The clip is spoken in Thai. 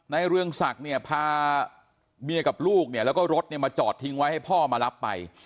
เรืองศักดิ์เนี่ยพาเมียกับลูกเนี่ยแล้วก็รถเนี่ยมาจอดทิ้งไว้ให้พ่อมารับไป